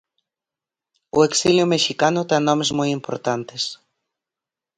O exilio mexicano ten nomes moi importantes.